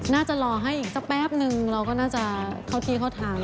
น่าจะรอให้อีกสักแป๊บนึงเราก็น่าจะเข้าที่เข้าทาง